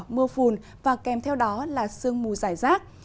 mưa phùn và kèm theo đó là sương mù dài rác